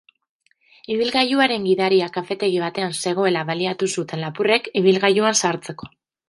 Ibilgailuaren gidaria kafetegi batean zegoela baliatu zuten lapurrek ibilgailuan sartzeko.